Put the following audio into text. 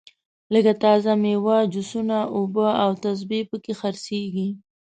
لږه تازه میوه جوسونه اوبه او تسبې په کې خرڅېږي.